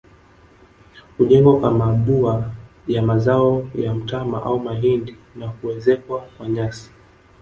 Hujengwa kwa mabua ya mazao ya mtama au mahindi na kuezekwa kwa nyasi